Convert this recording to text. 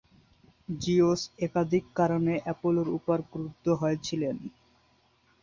Zeus একাধিক কারণে অ্যাপোলোর উপর ক্রুদ্ধ হয়েছিলেন।